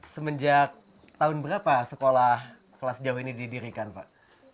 semenjak tahun berapa sekolah kelas jauh ini didirikan pak